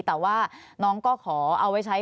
แต่ว่าน้องก็ขอเอาไว้ใช้